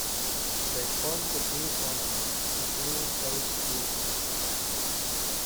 They formed the BlueBonnets, a blues-based group.